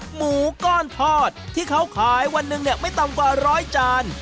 หมูก้อนทอดที่เขาขายวันหนึ่งเนี่ยไม่ต่ำกว่าร้อยจาน